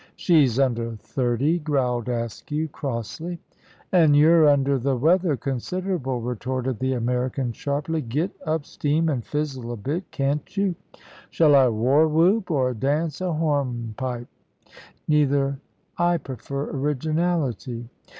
"She's under thirty," growled Askew, crossly. "An' you're under the weather, considerable," retorted the American, sharply. "Get up steam an' fizzle a bit, can't you?" "Shall I war whoop, or dance a horn pipe?" "Neither I prefer originality."